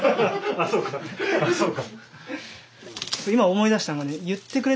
あっそうか。